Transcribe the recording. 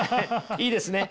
いいですね。